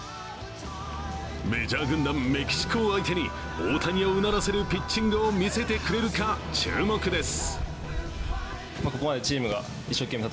メジャー軍団メキシコを相手に大谷をうならせるピッチングを見せてくれるか注目です。